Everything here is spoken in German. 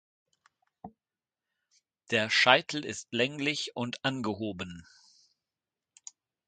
Der Scheitel ist länglich und angehoben.